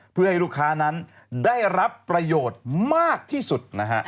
เพื่อให้ลูกค้านั้นได้รับประโยชน์มากที่สุดนะฮะ